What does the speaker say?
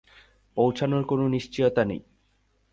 পৌঁছানোর কোনো নিশ্চয়তা নেই।